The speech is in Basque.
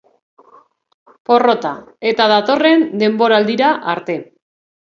Porrota eta datorren denboraldira arte.